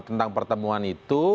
tentang pertemuan itu